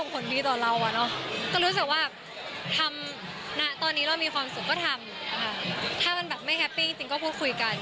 ก็ทำถ้ามันแบบไม่แฮปปิ้งจริงก็พูดคุยกัน